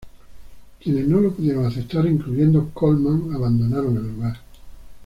Quienes no lo pudieron aceptar, incluyendo Colmán, abandonaron el lugar.